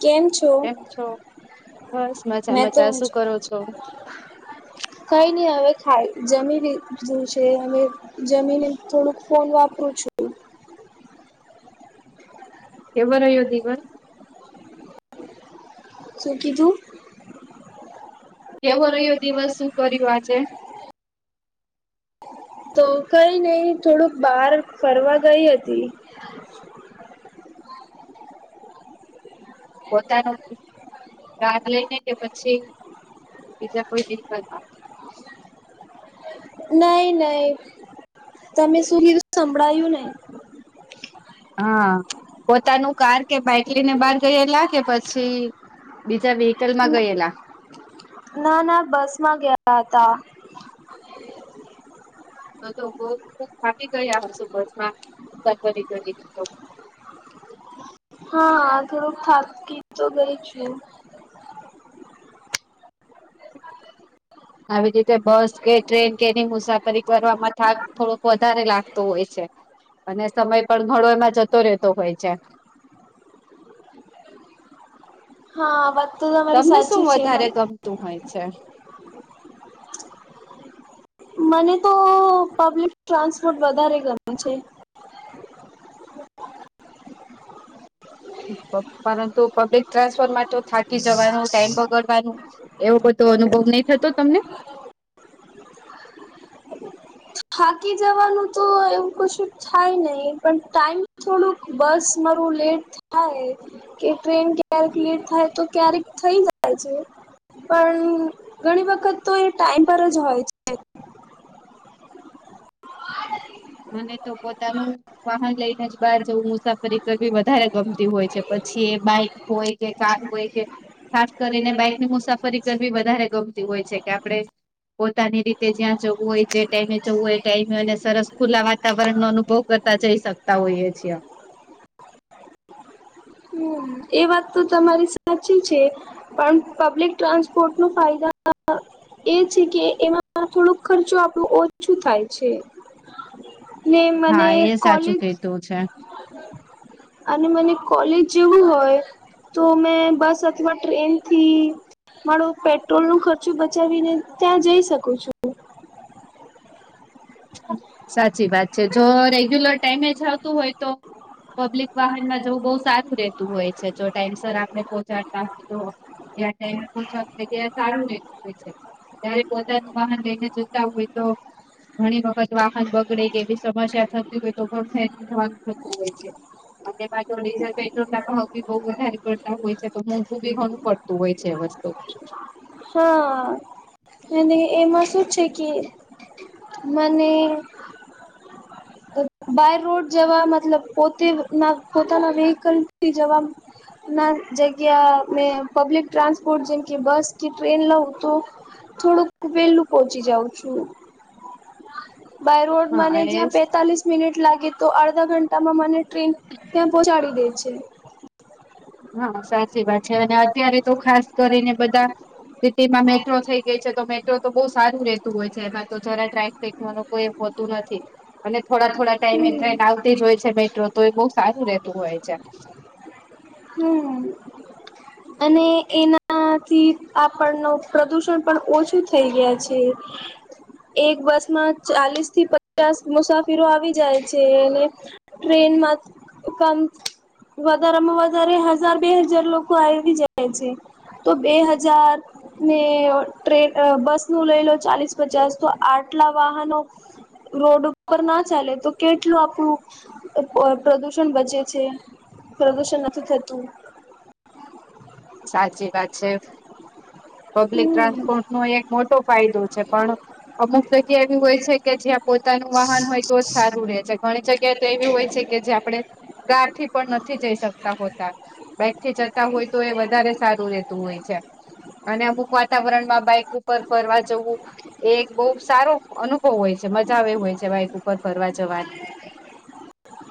કેમ છે? કેમ છો? બસ મજા મેં તો મજા શું કરો છો? કઈ નહી હવે ખાય જમીધ છે અ જમીન થોડુંક ફોન વાપરું છું. કેવો રહ્યો દિવસ? શું કીધું? કેવો રહ્યો દિવસ શું કર્યો આજે? ! તો કઈ નઈ થોડુંક બહાર ફરવા ગઈ હતી. પોતાના કાગ લઈને કે પછી બીજા કોઈ દિકત? નઈ નઈ તમે શું કીધું સંભળાયું નહી. હા પોતાનું કાર કે બાઈક લઈને બહાર ગયેલા કે પછી બીજા વેહિકલ માં ગયેલા. ના ના બસ માં ગયા હતા. તો તો બ થાકી ગયા હશો બસમાં મુસાફરી રી કરી તો. હા હ થોડુંક થાકી તો ગઈ છું. આવી રીતે બસ કે ટ્રેન કે એની મુસાફરી કરવામાં થાક થોડોક વધારે લાગતો હોય છે. અને સમય પણ ઘણો એમાં જતો રહેતો હોય છે. હા વાત તો તમારી સાચી છે મન. તું હોય છે. મને તો પબ્લિક ટ્રાન્સપોર્ટ વધારે ગમે છે. પરંતુ પબ્લિક ટ્રાન્સફોર્ટ માટે થાકી જવાનું ટાઈમ બગડવાનું. એવો બધો અનુભવ નહી થતો તમને. થાકી જવાનું તો એવું કશું. થાય નહીં પણ ટાઈમ થોડુંક બસ મારું લેટ થાય. કે ટ્રેન ક્યારેક લેટ થાય તો ક્યારેક થઈ જાય છે. પણ ઘણી વખત તો એ ટાઈમ પર જ હોય છે. [inaudible] મને તો પોતાનું વાહન લઈને જ બહાર જવું મુસાફરી કરવી વધારે ગમતી હોય છે, પછી એ બાઈક હોય કે ચાલ હોય કે ખાસ કરીને બાઈકની મુસાફરી કરવી વધારે ગમતી હોય છે, કે આપણે પોતાની રીતે જ્યાં જવું હોય જે ટાઈમે જવું હોય એ ટાઈમે અને સરસ ખુલ્લા વાતાવરણ નો અનુભવ કરતા જઈ શકતા હોઈએ છીએ. હમ એ વાત તો તમારી સાચી છે, પણ પબ્લિક ટ્રાન્સપોર્ટ નો ફાયદા એ છે કે એમાં થોડોક ખર્ચો આપણો ઓછું થાય છે. ને મને હા એ સાચું કોલેજ કીધું છે અને મને કોલેજ જેવું હોય. તો મેં બસ અથવા ટ્રેન થી મારો પેટ્રોલ નું ખર્ચો બધ જવીને ત્યાં જઈ શકું છુ. સાચી વાત છે જો રેગ્યુલર ટાઈમે જ આવતું હોય તો પબ્લિક વાહનમાં જવું બહ સારું રહેતું હોય છે, જો ટાઈમ સર આપણે પોહોંચાડતા હોય તો જ ટાઈમ પહોંચવા ત ચાલુ જ ત્યારે પોતાનું બહન લઈને જતા હોય તો ઘણી વખત વાહન બગડે કે એ બી સમસ્યા થતી હોય તો પણ ફ થતું હોય છે. અને પાછો ડીઝલ પેટ્રોલ ના ભાવ ભી બઉુ વધારે પડતા હોય છે, તો મોંઘું બી ઘણું પડત હોય છે, વસ્તુ હા અને એમાં શું છે, કે મને બાય રોડ જવા મતલબ પોતેના પોતાના વેહકલથી જવા ના જગ્યા મે પબ્લિક ટ્રાન્સપોર્ટ જેમ કે બસ કે ટ્રેન લઉું તો થોડુંક વેલું પહોંચી જાઉં છુ. બાય રોડ હા ને જ્યાં એ પતાલીસ મિનિટ લાગે તો અડધા ઘંટામાં મને ટ્રેન ત્યાં પહોંચાડી દે છે. હા સાચી વાત છે અને અત્યારે તો ખાસ કરીને બધા સિટી માં મેટ્રો થઈ ગઈ છે તો મેટ્રો તો બહુ સારું રેતું હોય છે એમાં તો જરા ટ્રકેકવાનું કોઈ હોતું નથી. અને થોડા થોડા ટાઈમે એ હમ ટ્રેન આવતી જ હોય છે, મેટ્રો તો એ બહુ સારું રતું હોય છે. હમ! અને એનાથી આપણ ન પ્રદુષણ પણ ઓછું થઈ ગયા છે. એક બસ માં ચાલીસ થી પચાસ મુસાફિરો આવી જાય છે અને ટ્રેનમાં ક વધારામાં વધારે હજાર બે હજાર લોકો આવી જાય છે તો બે હજાર ને ટ્રેન બસ નું લઈ લો ચાલીસ પચાસ તો આટલા વાહનો રોડ ઉપર ના ચાલે તો કેટલું આપણું અ પ્રદુષણ બચે છે પ્રદુષણ નથી થતું. સાચી વાત છે પબ્લિક હમ ટ્રાન્સપોર્ટ નો એક મોટો ફાયદો છે પણ અમુક જગ્યા એવી હોય છે, કે જ્યાં પોતાનું વાહન હોય તો જ સારું રહે છે. ઘણી જગ્યા જગ્યા તો એવી હોય છે કે, જે આપણે કાર થી પણ નથી જઈ શકતા હોતા. બેકથી જતા હોય તો એ વધુ વધારે સારું રહેેતું હોય છે અને અમુક વાતાવરણમાં બાઈક ઉપર ફરવા જવું. એ એક બહુ સારો અનુભવ હોય છે. મજા આવે હોય છે બાઈક ઉપર ફરવા જવાની.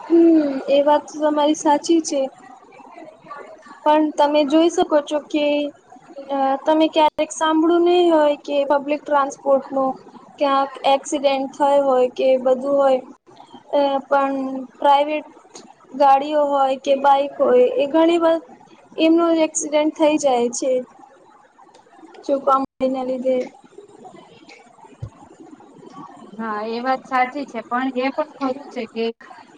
હમ એ વાત તો તમારી સાચી છે. પણ તમે જોઈ શકો છો કે તમે ક્યારેક સાંભળો નહીિ હોય કે પબ્લિક ટ્રાન્સપોર્ટ ન ક્યાંક એક્સિડેન્ટ થાય હોય કે બધું હોય પણ પ્રઇવેટ ગાડીઓ હોય કે બાઈક હોય એ ઘણી બધ એમનો જ એક્સિડેન્ટ થઈ જાય છે જો કામ તેના લીધે. હા એ વાત સાચી છે પણ એ પણ ખરું છે કે.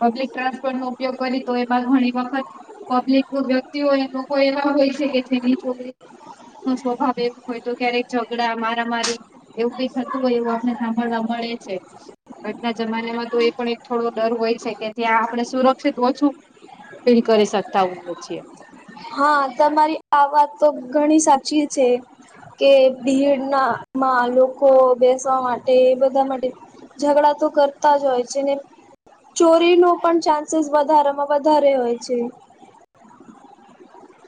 પબ્લિક ટ્રાન્સપોર્ટ નો ઉપયોગ કરી તો એ બાદ ઘણી વખત પબ્લિક વ્યક્તિઓ એ લોકો એવા હોય છે કે જેની જોડે. નૂ સ્વભાવ એક હોય તો ક્યારેક ઝઘડા મારા મારી એવું બી થતું હોય એવું આપને સાંભળવા મળે છે. આજના જમાનામાં તો એ પણ એક થોડો ડર હોય છે કે ત્યાં આપણે સુરક્ષિત ઓછું ફીરી કરી શકતા હોએ છે. હા તમારી આ વાત તો ઘણી સાચી છે. કે ભીડ નામાં લોકો બેસવા માટે બધા માટે ઝઘડા તો કરતા જ હોય છેને. ચોરી નો પણ ચાન્સીસ વધારામાં વધારે હોય છે.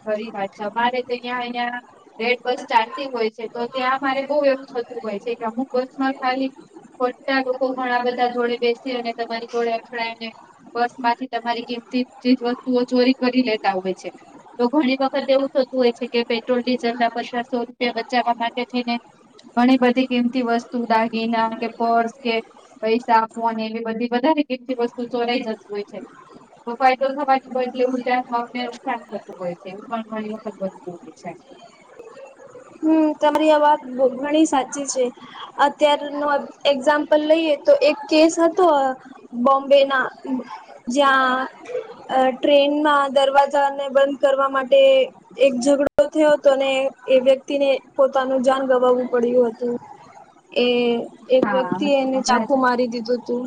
ખરી વાત છે અમારે તો અહીંયા અહીંયા. રેડ બસ ચાલતી હોય છે તો ત્યાં મારે બહુ એવું થતું હોય છે કે અમુક બસ માં ખાલી ખોટા લોકો ઘણા બધા જોડે બેસી અને તમારી જોડે અથડાયને પર્સ માંથી તમારી કિંમતી ચીજ વસ્તુઓ ચોરી કરી લેતા હોય છે. તો ઘણી વખત એવું થતું હોય છે કે પેટ્રોલ ડીઝલ ના પંદરસો રૂપિયા બચાવવા માટે થઈને. ઘણી બધી કિંમતી વસ્તુ દાગીના કે પર્સ કે પૈસા ફોન એવી બધી વધારે કિંમતી વસ્તુ ચોરાઈ જતી હોય છે. ફાયદો થવાની બદલી ઉલ્ટા આપને નુકસાન. હોય છે એ પણ ઘણી વખત બધતું બી છે. તમારી આ વાત ઘણી સાચી છે. અત્યાર નો એક્ઝામ્પલ લઈએ તો એક કેસ હતો. બોમ્બે ના. જ્યાં અ ટ્રેનમાં દરવાજાને બંધ કરવા માટે. એક ઝઘડો થયો હતો અને એ વ્યક્તિને પોતાનું જાન ગવાવું પડ્યું હતું એ. એક હા વ્યક્તિ એ હજી એને હમણાં ચાખુ જ મારી દીધું તું.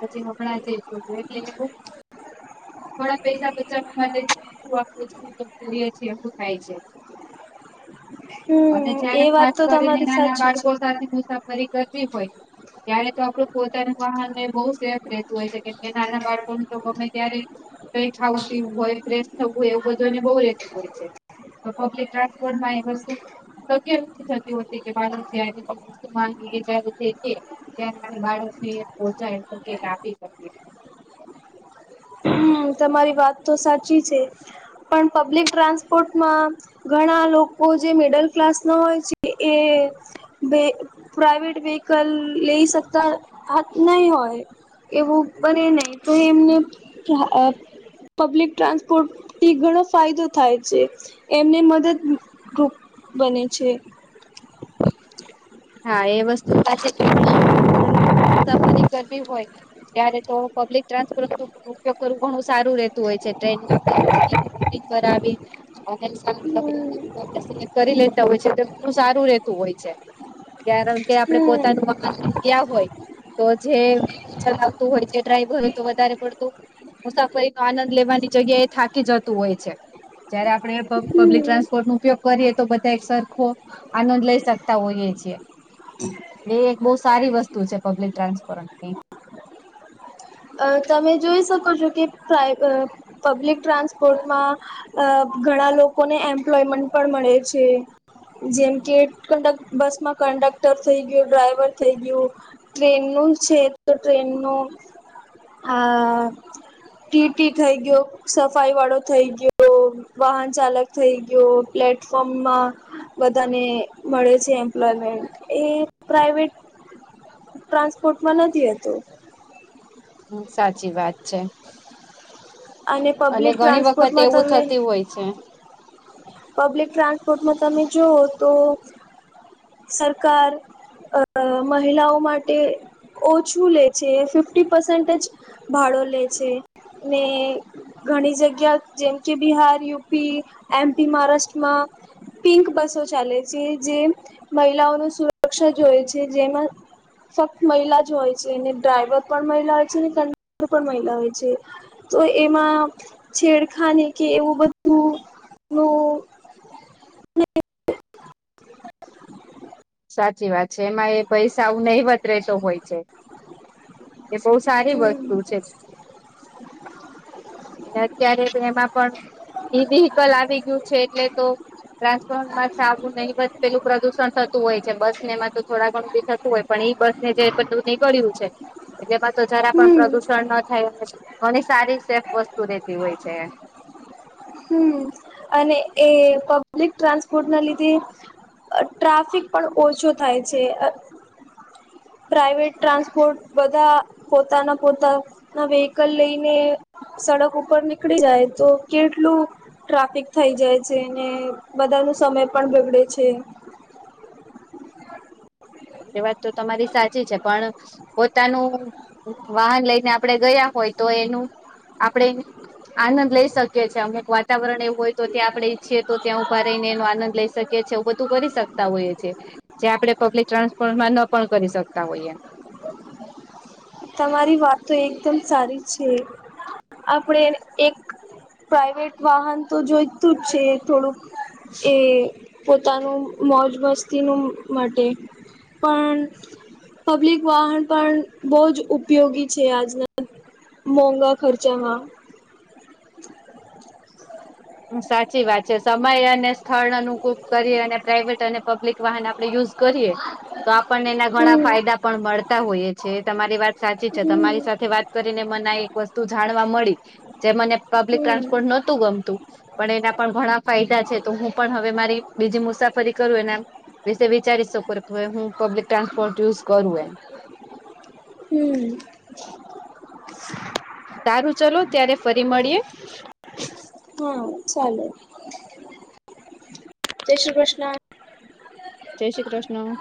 આજે હમણાં જે બેગ લ‌ઈને મુક થોડા પૈસા બચાવવા માટે આપડએ છીએ એું થાય છે [inaudible] અને હમ જ્યારે એ વાત ખાસ તો કરીને તમારી નાના સાચી છે બાળકો સાથે મુસાફરી કરવી હોય ત્યારે તો આપડું પોતાનું વાહન એ બહુ સેફ રહેતું હોય છે કેમ કે નાના બાળકોનું તો ગમે ત્યારે કઈ ખાવતી હોય ફ્રેશ થવું હોય એવું બધુંને બહુ રહેતું હોય છે. તો પબ્લિક ટ્રાન્સપોર્ટ માં એ વસ્તુ. તો કેમ નથી થતી હોતી કે બાળક જ વસ્તુ જ [inaudible] ત્યારે આપણે બાળક ને પોહોચાય [unintelligible] આપી શકીએ. હમ તમારી વાત તો સાચી છે પણ પબ્લિક ટ્રાન્સપોર્ટમાં ઘણા લોકો જે મિડલ ક્લાસ ના હોય છે, એ બે પ્રઇવેટ વેહકલ લઈ શકતા નહી હોય. એવું બને નહી તો એમને પબ્લિક ટ્રાન્સપોર્ટ થી ઘણો ફાયદો થાય છે. એમને મદદરૂૂપ બને છે. હા એ વસ્તુ [unintelligible] ગરી હોય ત્યારે તો પબ્લિક ટ્રાન્સપોર્ટ નુ ઉપયોગ કરવો ઘણું સારું રહે. હોય છે ટ્રેનમાં હમ કર [unintelligible] લેતા હોય છે તો એું સારું રેતું હોય છે. કારણ કે આપડે હમ પોતાનું વાહન ગયા હોય તો જે ચલાવતું હોય છે ડ્રાઈવર હોય તો વધારે પડતું મુસાફરી નો આનંદ લેવાની જગ્યા એ થાકી જતું હોય છે. જયારે આપડે પબ્લિક હમ ટ્રાન્સપોર્ટ નો ઉપયોગ કરીએ તો બધા એક સરખો આનંદ લઈ શકતા હોઈએ છીએ. [unintelligible] એ એક બહુ સારી વસ્તુ છે પબ્લિક ટ્રાન્સપોરન્ટની. તમે જોઈ શકો છો કે પબ્લિક ટ્રાન્સપોર્ટમાં અ ઘણા લોકોને એમ્પ્લોયમેન્ટ પણ મળે છે. જેમ કે કંડક બસમાં કંડક્ટર થઈ ગયું, ડ્રાઈવર થઈ ગયું ટ્રેનનું છે તો ટ્રેનનું આ ટી ટી થઈ ગયો, સફાઈ વાળો થઈ ગયો. વાહન ચાલક થઈ ગયો પ્લેટફોર્મમાં બધાને મળે છે એમ્પ્લોયમેન્ટ એ પ્રઇવેટ ટ્રાન્સપોર્ટમાં નથી રહેતો. હમ સાચી વાત છે. અને પબ્લિક ઘણી વખત ટ્રાન્સપોર્ટમાં એવું તમે થતી હોય છે. પબ્લિક ટ્રાન્સપોર્ટનું તમે જુઓ તો સરકાર અ મહિલાઓ માટે ઓછું લે છે ફિફ્ટી પસન્ટ જ ભાડો લે છે ને ઘણી જગ્યા જેમ કે બિહાર, યુપી, એમપી, મહારાષ્ટ્રમાં પિંક બસો ચાલે છે, જે મહિલાઓનું સુરક્ષા જોય છે. જેમાં ફક્ત મહિલા જ હોય છે, ને ડ્રાઈવર પણ મહિલા હોય છે. ને કંડક્ટર પણ મહિલા હોય છે. તો એમાં છેડખાને કે એવું બધું હું! સાચી વાત છે એમાં એ પૈસા આવું નહીંવત રેતો હોય છે. એ બહુ સારી વસ્તુ છે. અને અત્યારે તો એમાં પણ ઈ વેહિકલ આવી ગયું છે એટલે તો. રાજકોટમાં આવું નહિવત પેલું પ્રદુષણ થતું હોય છે બસ. એમાં તો થોડા ઘણું બ થતું હોય પણ એઈ બસ ને જે બધું નહી કર્યું છે [unintelligible] એમાં તો જરા પણ હમ પ્રદુષણ ન થાય ઘણી સારી સેફ વસ્તુ રહેેતી હોય છે. હમ અને એ પબ્લિક ટ્રાન્સપોર્ટના લીધે- ટ્રાફિક પણ ઓછો થાય છે. પ્રાઇવેટ ટ્રાન્સપોર્ટ બધા પોતાના પોતાના હવે વિહિકલ લઈને સડક ઉપર નીકળી જાય તો કે એટલું ટ્રાફિક થઈ જાય છે ને બધાનો સમય પણ બગડે છે. એ વાત તો તમારી સાચી છે પણ પોતાનું વાહન લઈને આપણે ગયા હોય તો એનું આપણેે આનંદ લઈ શકીએ એ અમુક વાતાવરણ એવુ હોય તો ત્યાં આપણે ઈચ્છીએ તો ત્યાં ઉભા રહીને એનો આનંદ લઈ શકીએ. એ બધું કરી સકતા હોઈએ જે આપણે પબ્લિક ટ્રાન્સપોર્ટમાં ન પણ કરી શકતા હોઈએ. તમારી વાત તો એકદમ સારી છે આપણે એક પ્રાઇવેટ વાહન તો જોઈતું જ છે થોડુંક એ પોતાનું મોજ મસ્તીનું માટે. પણ પબ્લિક વાહન પણ બહું જ ઉપયોગી છે. આજના મોંઘા ખર્ચામાં સાચી વાત છે સમય અને સ્થળ અનુકૂપ કરી અને પ્રાઇવેટ અને પબ્લિક વાહન આપડે યુઝ કરીએ તો આપણને એના ઘણા હમ ફાયદા પણ મળતા હોઈએ છે. તમારી વાત સાચી છે હમ તમારી સાથે વાત કરીને મને એક વસ્તુ જાણવા મળી જે મને પબ્લિક હમ ટ્રાન્સપોર્ટ નહોતું ગમતું પણ એના પણ ઘણા ફાયદા છે તો હું પણ હવે મારી બીજી મુસાફરી કરું એના વિશે વિચારી શકો કે હવે હું પબ્લિક ટ્રાન્સપોર્ટ યુઝ કરું એમ. હમ. સારું ચલો ત્યારે ફરી મળીએે. હા ચાલો જય શ્રી કૃષ્ણ. જય શ્રી કૃષ્ણ